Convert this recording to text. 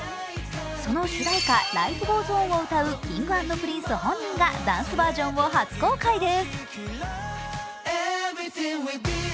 その主題歌「Ｌｉｆｅｇｏｅｓｏｎ」を歌うＫｉｎｇ＆Ｐｒｉｎｃｅ本人がダンスバージョンを初公開です。